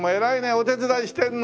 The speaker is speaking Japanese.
お手伝いしてるの？